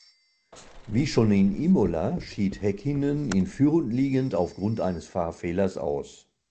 Wie schon in Imola schied Häkkinen in Führung liegend aufgrund eines Fahrfehlers aus.